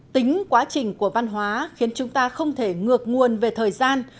tính quá trình của văn hóa khiến chúng ta không thể ngược nguồn về thời gian